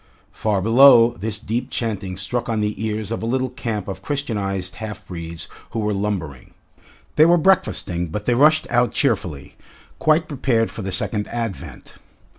Far below, this deep chanting struck on the ears of a little camp of Christianised half breeds who were lumbering. They were breakfasting, but they rushed out cheerfully, quite prepared for the Second Advent.